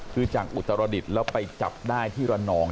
คือจากอุตรดิษฐ์แล้วไปจับได้ที่ระนอง